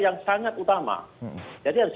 yang sangat utama jadi harus